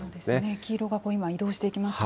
黄色が今、移動していきましたね。